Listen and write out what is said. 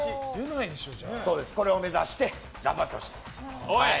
これを目指して頑張ってほしいと思います。